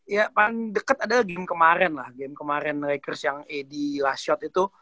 ya paling deket adalah game kemarin lah game kemarin rekers yang ad last shot itu